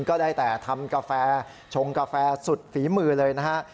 ก็ได้แต่ทำกาแฟชงกาแฟสุดฝีมือเลยนะฮะ